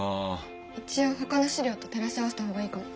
一応ほかの史料と照らし合わせた方がいいかも。